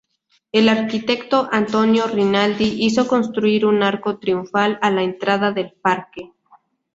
El arquitecto, Antonio Rinaldi, hizo construir un arco triunfal a la entrada del parque.